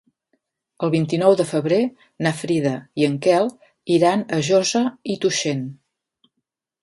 El vint-i-nou de febrer na Frida i en Quel iran a Josa i Tuixén.